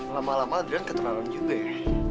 lama lama drian keterlaluan juga ya